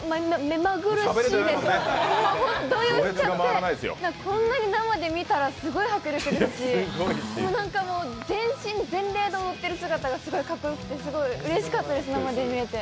目まぐるしくてこんなに生で見たらすごい迫力ですし、全身全霊で踊ってる姿がすごいかっこよくてうれしかったです、生で見れて。